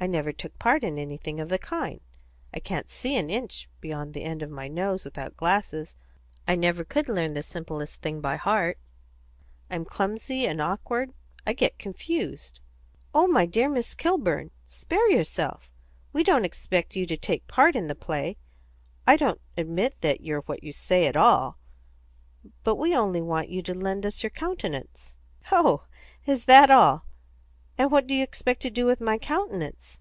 I never took part in anything of the kind; I can't see an inch beyond the end of my nose without glasses; I never could learn the simplest thing by heart; I'm clumsy and awkward; I get confused." "Oh, my dear Miss Kilburn, spare yourself! We don't expect you to take part in the play. I don't admit that you're what you say at all; but we only want you to lend us your countenance." "Oh, is that all? And what do you expect to do with my countenance?"